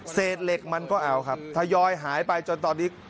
เศษเหล็กมันก็เอาครับทยอยหายไปจนตอนนี้